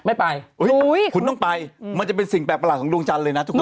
ไม่ไปคุณต้องไปมันจะเป็นสิ่งแปลกประหลาดของดวงจันทร์เลยนะทุกคน